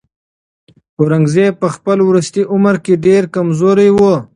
اورنګزېب په خپل وروستي عمر کې ډېر کمزوری و.